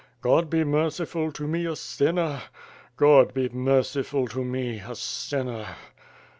God be merciful to me a sinner? God be merciful to me a sinner?''